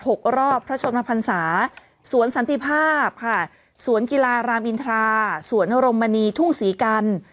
กรอบพระชนมพันศาสวนสันติภาพค่ะสวนกีฬารามอินทราสวนรมณีทุ่งศรีกัน